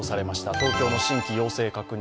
東京の新規確認